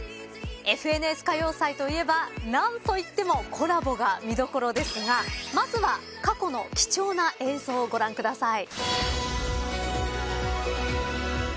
『ＦＮＳ歌謡祭』といえば何といってもコラボが見どころですがまずは過去の貴重な映像をご覧ください。